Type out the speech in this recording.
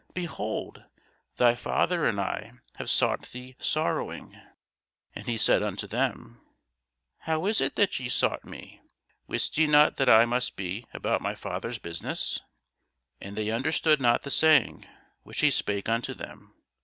behold, thy father and I have sought thee sorrowing. And he said unto them, How is it that ye sought me? wist ye not that I must be about my Father's business? And they understood not the saying which he spake unto them.